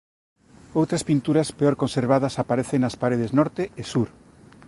Outras pinturas peor conservadas aparecen nas paredes norte e sur.